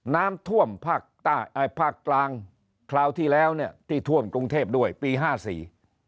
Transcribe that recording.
น้ำท่วมภาคกลางคราวที่แล้วที่ท่วมกรุงเทพด้วยปี๕๔